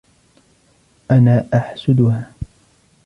أنا أحسدها.